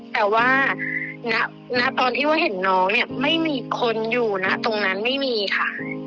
แต่ว่าณตอนที่ว่าเห็นน้องเนี่ยไม่มีคนอยู่นะตรงนั้นไม่มีค่ะ